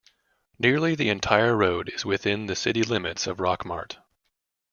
Nearly the entire road is within the city limits of Rockmart.